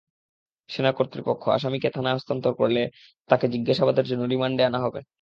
সেনা কর্তৃপক্ষ আসামিকে থানায় হস্তান্তর করলে তাঁকে জিজ্ঞাসাবাদের জন্য রিমান্ডে আনা হবে।